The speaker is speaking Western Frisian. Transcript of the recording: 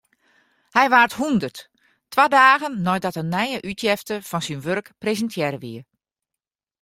Hy waard hûndert, twa dagen neidat in nije útjefte fan syn wurk presintearre wie.